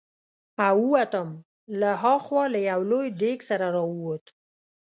او ووتم، له ها خوا له یو لوی دېګ سره را ووت.